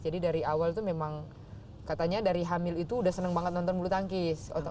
jadi dari awal itu memang katanya dari hamil itu sudah senang banget nonton bulu tangkis